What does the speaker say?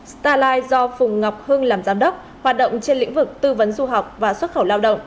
starline do phùng ngọc hưng làm giám đốc hoạt động trên lĩnh vực tư vấn du học và xuất khẩu lao động